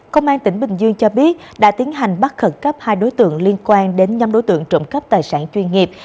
công an tỉnh bình dương cho biết đã tiến hành bắt khẩn cấp hai đối tượng liên quan đến nhóm đối tượng trộm cắp tài sản chuyên nghiệp